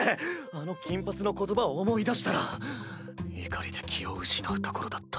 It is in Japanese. あの金髪の言葉を思い出したら怒りで気を失うところだった。